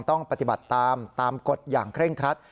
ต้องปฏิบัติตามตามกฎอย่างเคร่งครัด